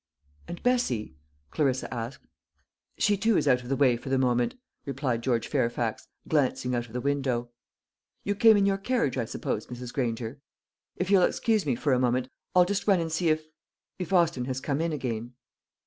"And Bessie?" Clarissa asked. "She too is out of the way for the moment," replied George Fairfax, glancing out of the window. "You came in your carriage, I suppose, Mrs. Granger? If you'll excuse me for a moment, I'll just run and see if if Austin has come in again."